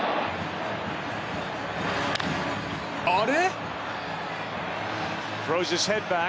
あれ？